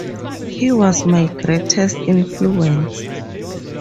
He was my greatest influence.